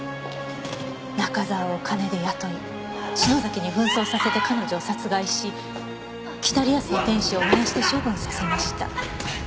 「中沢を金で雇い篠崎に扮装させて彼女を殺害し『北リアスの天使』を燃やして処分させました」